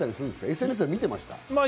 ＳＮＳ見てましたか？